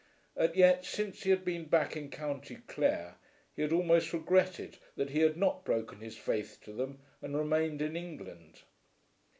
And yet since he had been back in County Clare he had almost regretted that he had not broken his faith to them and remained in England.